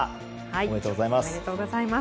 おめでとうございます。